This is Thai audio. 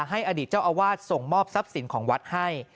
อดีตเจ้าอาวาสส่งมอบทรัพย์สินของวัดให้